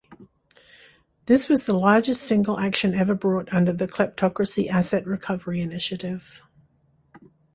This was the largest single action ever brought under the Kleptocracy Asset Recovery Initiative.